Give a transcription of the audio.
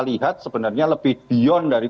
lihat sebenarnya lebih beyond dari